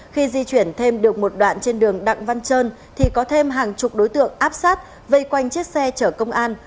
khi di chuyển thêm được một đoạn trên đường đặng văn trơn thì có thêm hàng chục đối tượng áp sát vây quanh chiếc xe chở công an